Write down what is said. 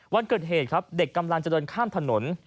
วันเกิดเหตุครับเด็กกำลังจะเดินข้ามถนน